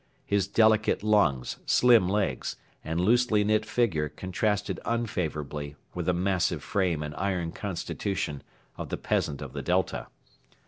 His delicate lungs, slim legs, and loosely knit figure contrasted unfavourably with the massive frame and iron constitution of the peasant of the Delta.